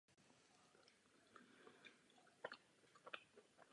Ten je vrcholem televizní animované produkce.